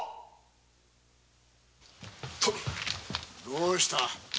どうした？